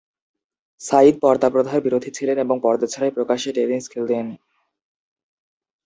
সাইদ পর্দা প্রথার বিরোধী ছিলেন এবং পর্দা ছাড়াই প্রকাশ্যে টেনিস খেলতেন।